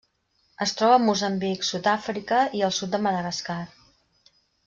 Es troba a Moçambic, Sud-àfrica i al sud de Madagascar.